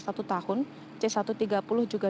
satu tahun c satu ratus tiga puluh juga